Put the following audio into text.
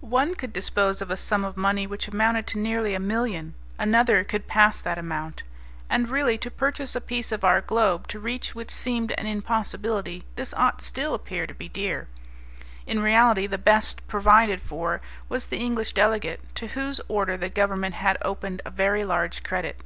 One could dispose of a sum of money which amounted to nearly a million, another could pass that amount. And really to purchase a piece of our globe to reach which seemed an impossibility, this ought still appear to be dear. In reality the best provided for was the English delegate, to whose order the Government had opened a very large credit.